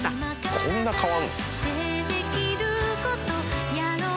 こんな変わるの？